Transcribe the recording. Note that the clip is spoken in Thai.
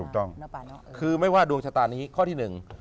ถูกต้องคือไม่ว่าดวงชะตานี้ข้อที่หนึ่ง